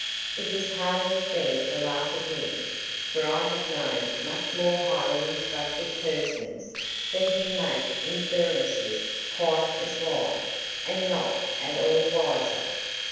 It is hardly fair to laugh at him, for I have known much more highly instructed persons than he make inferences quite as wide, and not at all wiser.